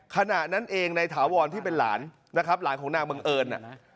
ขณะนั้นเองในถาวรที่เป็นหลานนะครับหลานของนางบังเอิญ